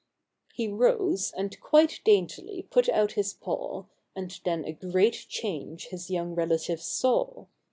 He rose, and quite daintily put out his paw, And then a great change his young relatives saw.